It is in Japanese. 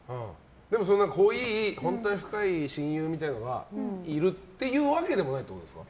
でも濃い本当に深い親友みたいなのがいるっていうわけでもないってことですか？